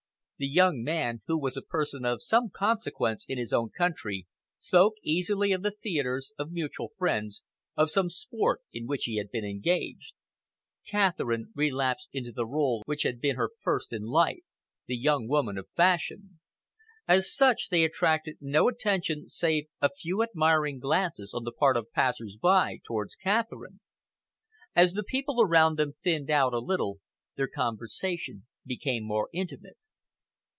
The young man, who was a person of some consequence in his own country, spoke easily of the theatres, of mutual friends, of some sport in which he had been engaged. Catherine relapsed into the role which had been her first in life, the young woman of fashion. As such they attracted no attention save a few admiring glances on the part of passers by towards Catherine. As the people around them thinned out a little, their conversation became more intimate.